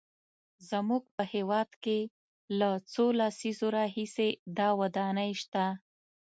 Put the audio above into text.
زموږ په هېواد کې له څو لسیزو راهیسې دا ودانۍ شته.